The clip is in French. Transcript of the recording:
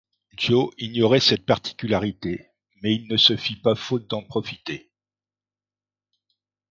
Joe ignorait cette particularité, mais il ne se fit pas faute d’en profiter.